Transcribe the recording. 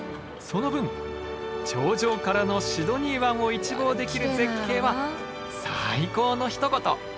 その分頂上からのシドニー湾を一望できる絶景は最高のひと言。